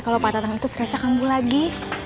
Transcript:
kalau pak tatang itu stres akan bu lagi